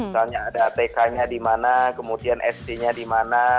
misalnya ada atk nya di mana kemudian sd nya di mana